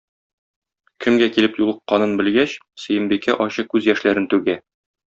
Кемгә килеп юлыкканын белгәч, Сөембикә ачы күз яшьләрен түгә.